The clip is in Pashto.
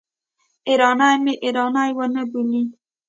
ایراني مې ایراني ونه بولي.